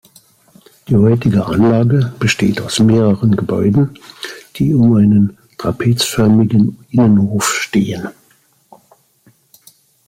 Die heutige Anlage besteht aus mehreren Gebäuden, die um einen trapezförmigen Innenhof stehen.